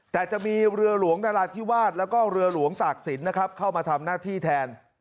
แต่จะมีเรือหลวงนราธิวาสแล้วก็เรือหลวงตากศิลปนะครับเข้ามาทำหน้าที่แทน